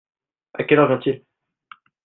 A quelle heure vient-il ?